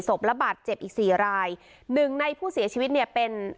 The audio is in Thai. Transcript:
ระบาดเจ็บอีกสี่รายหนึ่งในผู้เสียชีวิตเนี่ยเป็น